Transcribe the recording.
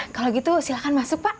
kalau gitu silahkan masuk pak